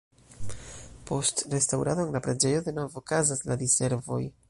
Post restaŭrado en la preĝejo denove okazas la di-servoj.